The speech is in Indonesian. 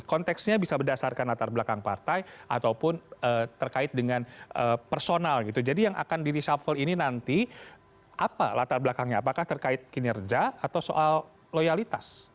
konteksnya bisa berdasarkan latar belakang partai ataupun terkait dengan personal gitu jadi yang akan di reshuffle ini nanti apa latar belakangnya apakah terkait kinerja atau soal loyalitas